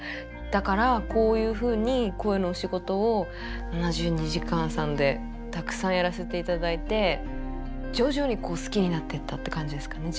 だからこういうふうに声のお仕事を「７２時間」さんでたくさんやらせて頂いて徐々にこう好きになってったって感じですかね